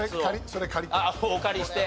それ借りて。